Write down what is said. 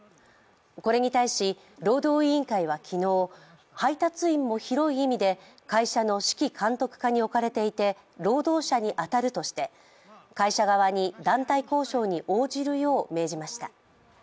これに対し、労働委員会は昨日、配達員も広い意味で会社の指揮監督下に置かれていて労働者に当たるとして会社側に団体交渉に応じるよう命じました。